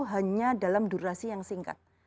hanya dalam durasi yang singkat